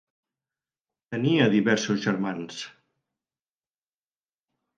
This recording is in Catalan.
Tenia diversos germans.